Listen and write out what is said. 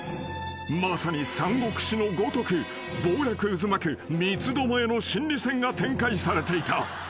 ［まさに『三国志』のごとく謀略渦巻く三つどもえの心理戦が展開されていた］